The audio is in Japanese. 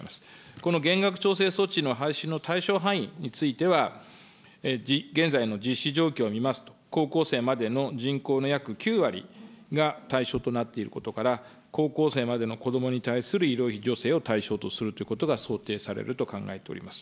この減額調整措置の廃止の対象範囲については、現在の実施状況を見ますと、高校生までの人口の約９割が対象となっていることから、高校生までの子どもに対する医療費助成を対象とするということが想定されると考えております。